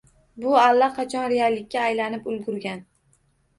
Bu allaqachon reallikka aylanib ulgurgan.